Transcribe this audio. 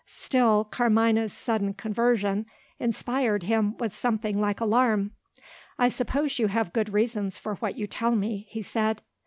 Still, Carmina's sudden conversion inspired him with something like alarm. "I suppose you have good reasons for what you tell me," he said.